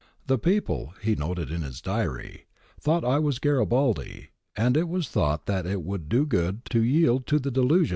The people,' he noted in his diary, ' thought I was Garibaldi, and it was thought that it would do good to yield to the delusion.